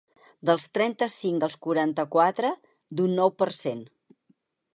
Dels trenta-cinc als quaranta-quatre, d’un nou per cent.